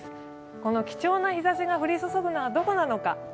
この貴重な日ざしが降り注ぐのはどこなのか